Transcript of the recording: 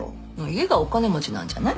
家がお金持ちなんじゃない？